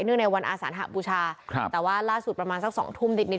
เนื่องในวันอาสานหะปูชาแต่ว่าล่าสุดประมาณสัก๒ทุ่มดิดนิด